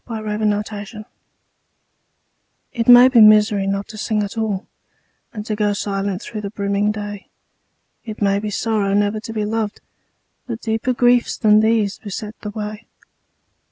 LIFE'S TRAGEDY It may be misery not to sing at all And to go silent through the brimming day. It may be sorrow never to be loved, But deeper griefs than these beset the way.